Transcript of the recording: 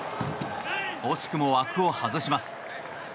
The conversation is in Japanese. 惜しくも枠を外します。